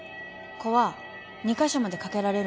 子は２カ所まで賭けられるんですよ。